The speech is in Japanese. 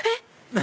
何？